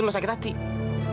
lu juga harus berhati hati